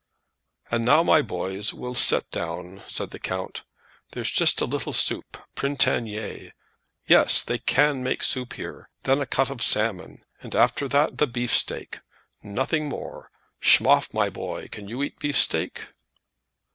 "And now, my boys, we'll set down," said the count. "There's just a little soup, printanier; yes, they can make soup here; then a cut of salmon; and after that the beefsteak. Nothing more. Schmoff, my boy, can you eat beefsteak?"